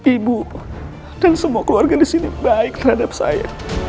ibu dan semua keluarga di sini baik terhadap saya